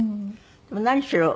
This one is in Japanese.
でも何しろ